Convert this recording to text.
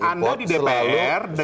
import selalu tapi mas wery anda di dpr